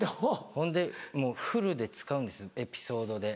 ほんでもうフルで使うんですエピソードで。